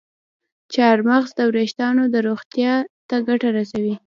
چارمغز د ویښتانو روغتیا ته ګټه رسوي.